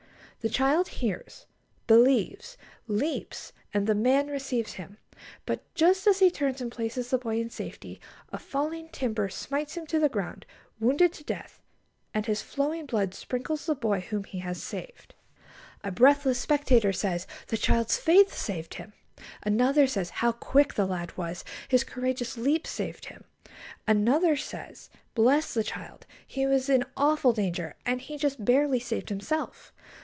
The child hears, believes, leaps, and the man receives him; but just as he turns and places the boy in safety, a falling timber smites him to the ground wounded to death, and his flowing blood sprinkles the boy whom he has saved. A breathless spectator says: "The child's faith saved him." Another says: "How quick the lad was! His courageous leap saved him." Another says: "Bless the child! He was in awful danger, and he just barely saved himself."